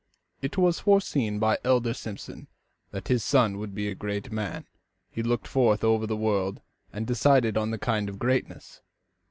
It was foreseen by the elder Simpson that his son would be a great man. He looked forth over the world and decided on the kind of greatness.